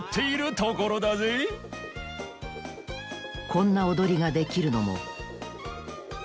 こんなおどりができるのも２４